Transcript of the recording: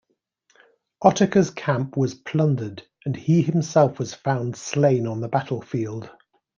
Ottokar's camp was plundered, and he himself was found slain on the battlefield.